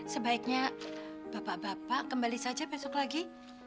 sebaiknya bapak bapak kembali saja besok lagi